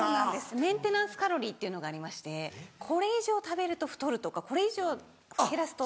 メンテナンスカロリーっていうのがありましてこれ以上食べると太るとかこれ以上減らすと。